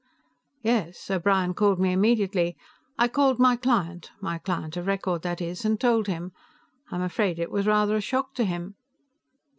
"Yes. O'Brien called me immediately. I called my client my client of record, that is and told him. I'm afraid it was rather a shock to him."